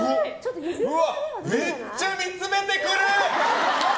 めっちゃ見つめてくる！